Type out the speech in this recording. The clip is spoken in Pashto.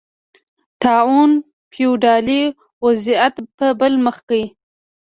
طاعون فیوډالي وضعیت په بل مخ کړ.